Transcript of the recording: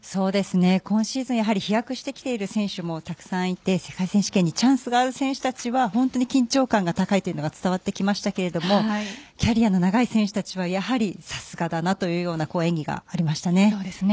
今シーズン飛躍してきている選手もたくさんいて世界選手権にチャンスがある選手たちは本当に緊張感が高いというのが伝わってきましたがキャリアの長い選手たちはやはりさすがだなというような演技がありましたね。